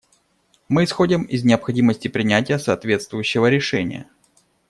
Мы исходим из необходимости принятия соответствующего решения.